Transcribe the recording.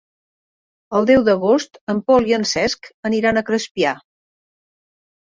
El deu d'agost en Pol i en Cesc aniran a Crespià.